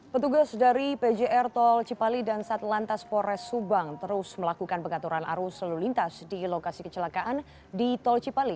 petugas dari pjr tol cipali dan satlantas pores subang terus melakukan pengaturan arus lalu lintas di lokasi kecelakaan di tol cipali